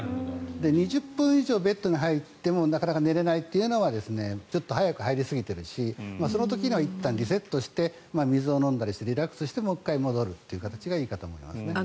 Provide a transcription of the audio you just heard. ２０分以上ベッドに入ってもなかなか寝れないというのはちょっと早く入りすぎているしその時の、いったんリセットして水を飲んだりしてリラックスしてもう一回戻るという形がいいかと思いますね。